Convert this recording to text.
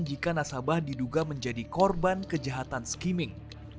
jika nasabah diduga menjadi korban kejahatan skimming